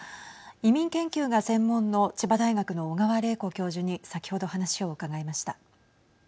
移民研究が専門の千葉大学の小川玲子教授に先ほど、話を伺いました。